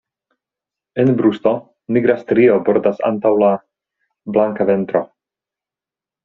En brusto nigra strio bordas antaŭ la blanka ventro.